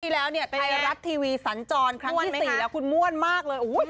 แล้วเนี่ยไทยรัฐทีวีสันจรครั้งที่๔แล้วคุณม่วนมากเลย